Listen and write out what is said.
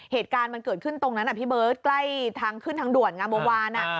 เหตุการณ์มันเกิดขึ้นตรงนั้นพี่เบิร์ตใกล้ทางขึ้นทางด่วนงามเมื่อวาน